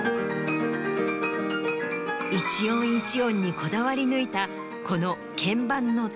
一音一音にこだわり抜いたこの。